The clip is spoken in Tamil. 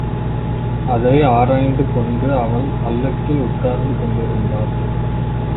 அதை ஆராய்ந்து கொண்டு அவள் பல்லக்கில் உட்கார்ந்து கொண்டிருந்தாள்.